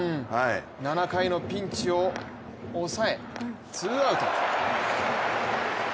７回のピンチを抑えツーアウト。